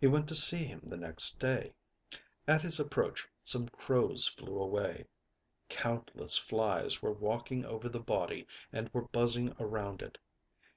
He went to see him the next day. At his approach some crows flew away. Countless flies were walking over the body and were buzzing around it.